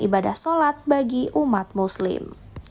ibadah sholat bagi umat muslim